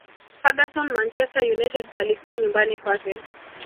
ferguson manchester united palikuwa nyumbani kwake